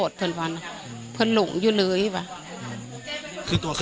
ปกติพี่สาวเราเนี่ยครับเป็นคนเชี่ยวชาญในเส้นทางป่าทางนี้อยู่แล้วหรือเปล่าครับ